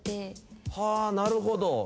はぁなるほど。